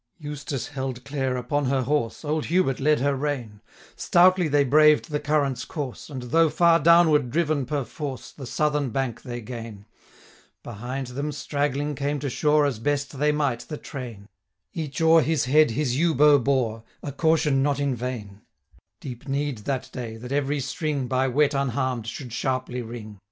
Eustace held Clare upon her horse, Old Hubert led her rein, Stoutly they braved the current's course, 665 And, though far downward driven per force, The southern bank they gain; Behind them, straggling, came to shore, As best they might, the train: Each o'er his head his yew bow bore, 670 A caution not in vain; Deep need that day that every string, By wet unharm'd, should sharply ring.